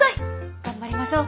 頑張りましょう。